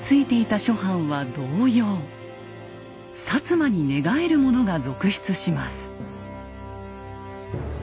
摩に寝返る者が続出します。